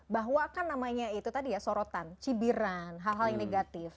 bahwa kan namanya itu tadi ya sorotan cibiran hal hal yang negatif